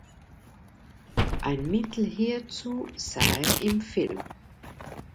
Ein Mittel hierzu sah er im Film.